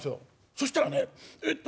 そしたらねえっと